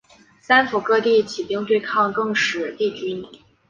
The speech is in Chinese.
三辅各地起兵对抗更始帝军。